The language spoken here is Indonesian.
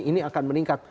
ini akan meningkat